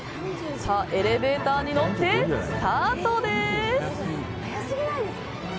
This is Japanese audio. エレベーターに乗ってスタートです。